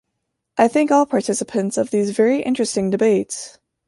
I thank all participants of these very interesting debates.